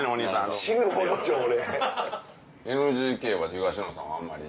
ＮＧＫは東野さんはあんまり。